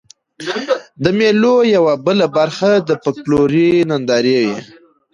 د مېلو یوه بله برخه د فکلوري نندارې يي.